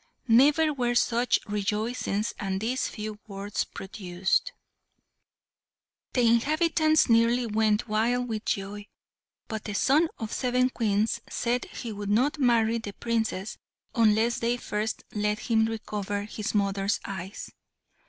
Never were such rejoicings as these few words produced. [Illustration: THE SON OF SEVEN MOTHERS] The inhabitants nearly went wild with joy, but the son of seven Queens said he would not marry the Princess unless they first let him recover his mothers' eyes.